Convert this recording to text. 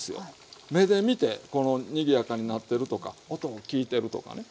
目で見てにぎやかになってるとか音を聞いてるとかね。